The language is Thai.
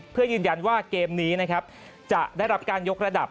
เพื่อยืนยันว่าเกมนี้นะครับจะได้รับการยกระดับ